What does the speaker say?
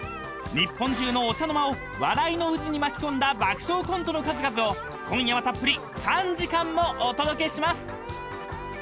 ［日本中のお茶の間を笑いの渦に巻き込んだ爆笑コントの数々を今夜はたっぷり３時間もお届けします！］